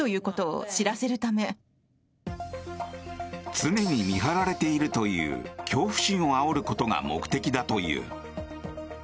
常に見張られているという恐怖心をあおることが目的だという。